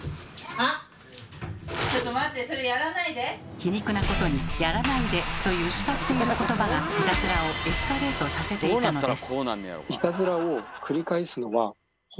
皮肉なことに「やらないで」という叱っていることばがいたずらをエスカレートさせていたのです。